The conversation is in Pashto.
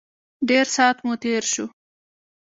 ډېر سات مو تېر شو.